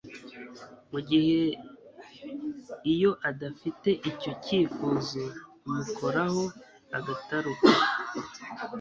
mu gihe iyo adafite icyo cyifuzo umukoraho agataruka